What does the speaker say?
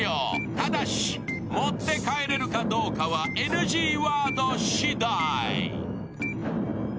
ただし、持って帰れるかどうかはＮＧワード次第。